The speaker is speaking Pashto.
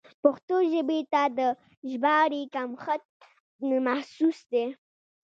پښتو ژبې ته د ژباړې کمښت محسوس دی.